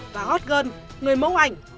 và hot girl người mẫu ảnh